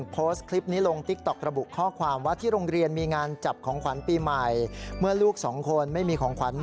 โปรดติดตามตอนต่อไป